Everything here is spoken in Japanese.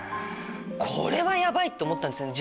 これはヤバいと思ったんですよね